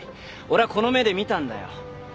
俺はこの目で見たんだよ。